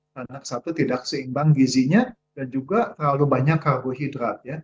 karena satu tidak seimbang gizinya dan juga terlalu banyak karbohidrat